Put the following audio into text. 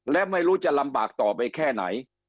และไม่รู้จะลำบากต่อไปแค่ไหน